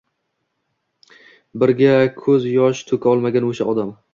Birga koʻz yosh toʻka olmagan oʻsha odam